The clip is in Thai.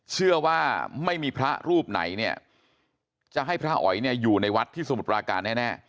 เชื่อว่าไม่มีพระรูปไหนเนี่ยจะให้พระอ๋อยเนี่ยอยู่ในวัดที่สมุทรปราการแน่